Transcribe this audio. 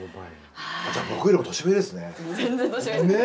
じゃあ僕よりも年上ですね。